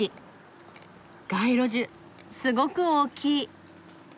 街路樹すごく大きい。